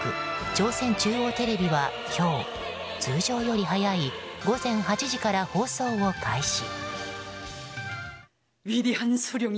朝鮮中央テレビは今日通常より早い午前８時から放送を開始。